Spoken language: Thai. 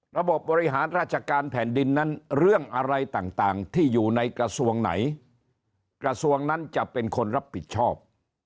ระบบบบริหารราชการแผ่นดินนั้นเรื่องอะไรต่างที่อยู่ในกระทรวงไหนกระทรวงนั้นจะเป็นคนรับผิดชอบ